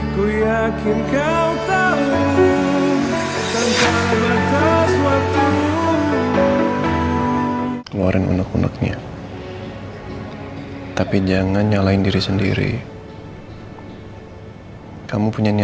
ku yakin kau tahu